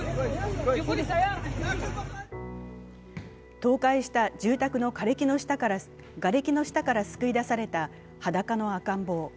倒壊した住宅のがれきの下から救い出された裸の赤ん坊。